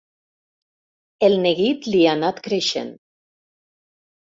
El neguit li ha anat creixent.